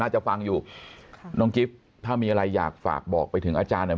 น่าจะฟังอยู่น้องกิ๊บถ้ามีอะไรอยากฝากบอกไปถึงอาจารย์หน่อยไหม